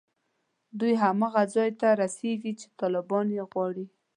دوی هماغه ځای ته رسېږي چې طالبان یې غواړي